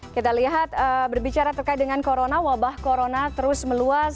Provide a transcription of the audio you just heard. kita lihat berbicara terkait dengan corona wabah corona terus meluas